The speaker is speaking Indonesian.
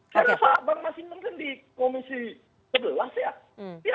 saya rasa bang masineng kan di komisi sebelas ya